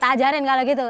tak ajarin kalau gitu